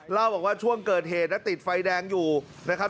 เล่าบอกว่าช่วงเกิดเหตุนะติดไฟแดงอยู่นะครับ